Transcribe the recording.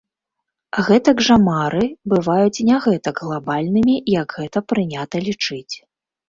Гэтак жа мары бываюць не гэтак глабальнымі, як гэта прынята лічыць.